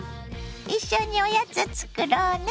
一緒におやつ作ろうね。